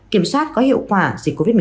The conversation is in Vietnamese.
kiểm soát có hiệu quả dịch covid một mươi